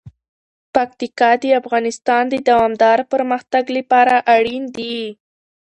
پکتیکا د افغانستان د دوامداره پرمختګ لپاره اړین دي.